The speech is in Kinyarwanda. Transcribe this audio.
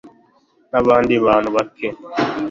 n abandi bantu bake